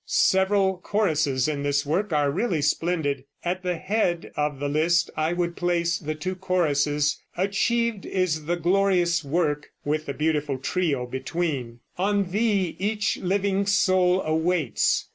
Several choruses in this work are really splendid. At the head of the list I would place the two choruses, "Achieved Is the Glorious Work," with the beautiful trio between, "On Thee Each Living Soul Awaits."